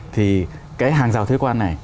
thì cái hàng rào thuế quan này